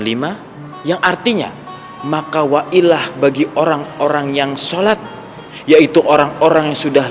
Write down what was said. reservatinya maka waillah bagi orang orang yang sholat yaitu orang orang yang sudah